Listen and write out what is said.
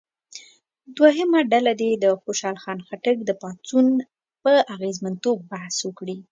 دویمه ډله دې د خوشحال خان خټک د پاڅون په اغېزمنتوب بحث وکړي.